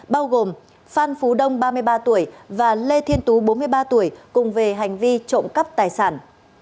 bao gồm phan phú đông ba mươi ba tuổi và lê thiên tú bốn mươi ba tuổi cùng về hành vi trộm cắp tài sản